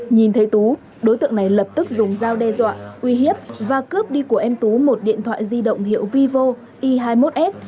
nhìn thấy tú đối tượng này lập tức dùng dao đe dọa uy hiếp và cướp đi của em tú một điện thoại di động hiệu vivo i hai mươi một s